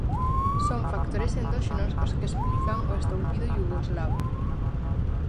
Son factores endóxenos os que explican o estoupido iugoslavo.